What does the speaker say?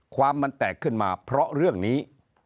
ความมันแตกขึ้นมาเพราะเรื่องนี้